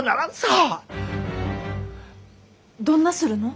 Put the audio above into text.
どんなするの？